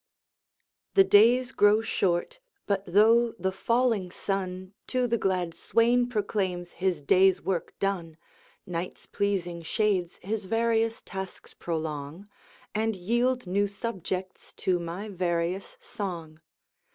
The days grow short; but though the falling sun To the glad swain proclaims his day's work done, Night's pleasing shades his various tasks prolong, And yield new subjects to my various song.